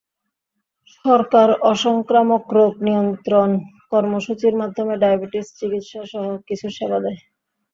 সরকার অসংক্রামক রোগ নিয়ন্ত্রণ কর্মসূচির মাধ্যমে ডায়াবেটিস চিকিৎসাসহ কিছু সেবা দেয়।